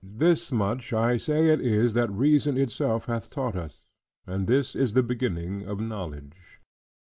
This much I say it is, that reason itself hath taught us: and this is the beginning of knowledge.